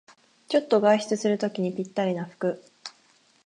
ちょっと外出するときにぴったりの服